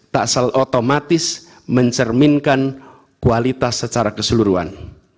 tak se otomatis mencerminkan kualitas secara keseluruhan